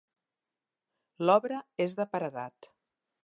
L'obra és de paredat.